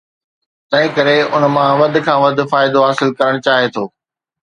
تنهنڪري ان مان وڌ کان وڌ فائدو حاصل ڪرڻ چاهي ٿو.